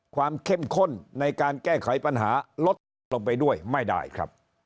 เข้มข้นในการแก้ไขปัญหาลดต่ำลงไปด้วยไม่ได้ครับ